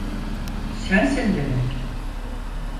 Sensin demek.